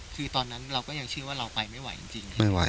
คือตอนนั้นเราก็ยังเชื่อว่าเราไปไม่ไหวจริง